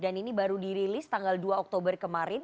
dan ini baru dirilis tanggal dua oktober kemarin